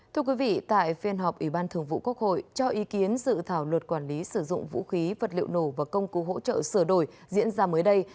thưa quý vị tại phiên họp ủy ban thường vụ quốc hội cho ý kiến dự thảo luật quản lý sử dụng vũ khí vật liệu nổ và công cụ hỗ trợ sửa đổi diễn ra mới đây